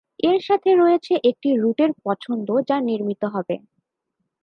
এর সাথে রয়েছে একটি রুটের পছন্দ যা নির্মিত হবে।